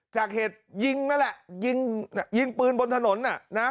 จากเหตุยิงนั่นแหละยิงยิงปืนบนถนนน่ะนะ